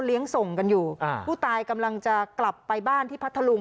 ส่งกันอยู่อ่าผู้ตายกำลังจะกลับไปบ้านที่พัทธลุง